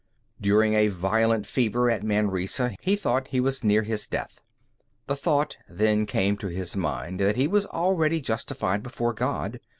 During a violent fever at Manresa, he thought he was near his death. The thought then came to his mind that he was already justified before God.